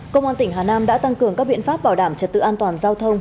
công an tỉnh hà nam đã tăng cường các biện pháp bảo đảm trật tự an toàn giao thông